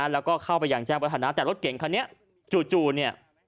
แล้วก็เข้าไปอย่างแจ้งวัฒนาแต่รถเก่งคันนี้จู่เนี่ย